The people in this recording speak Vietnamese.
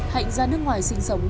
hạnh ra nước ngoài sinh sống